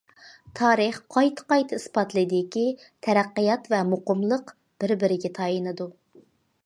تارىخ قايتا- قايتا ئىسپاتلىدىكى، تەرەققىيات ۋە مۇقىملىق بىر- بىرىگە تايىنىدۇ.